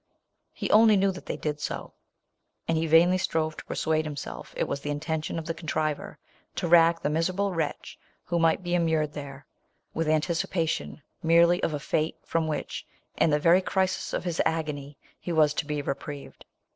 He only knew they did so ; and he vainly strove to persuade himseTf it was the intention of the contriver, to rack the miserable wretch who might be immured there, with an ticipation, merely, of a fate, from which, in the very crisis of his agony, he was to be reprieved.